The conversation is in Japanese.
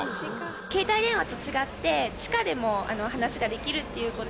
携帯電話と違って、地下でも話ができるっていうこと。